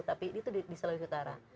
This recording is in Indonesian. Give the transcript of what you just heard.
tapi itu di sulawesi utara